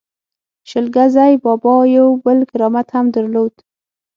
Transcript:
شل ګزی بابا یو بل کرامت هم درلود.